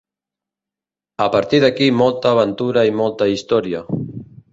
A partir d’aquí molta aventura i molta història.